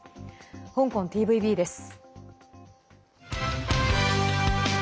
香港ＴＶＢです。